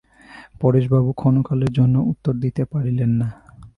পরেশবাবু ক্ষণকালের জন্য উত্তর দিতে পারিলেন না।